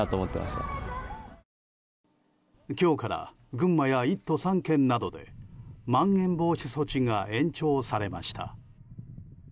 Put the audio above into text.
今日から群馬や１都３県などでまん延防止措置が延長されました。